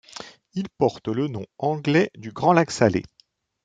Il porte le nom anglais du Grand Lac Salé.